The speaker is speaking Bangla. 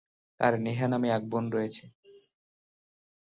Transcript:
তাঁর নেহা নামে এক বোন রয়েছে।